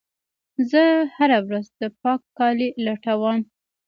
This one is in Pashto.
زه هره ورځ د پاک کالي لټوم.